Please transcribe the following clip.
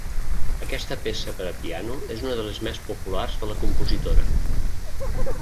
Aquesta peça per a piano és una de les més populars de la compositora.